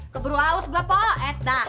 keburu haus gue po etak